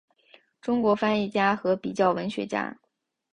中国翻译家和比较文学家。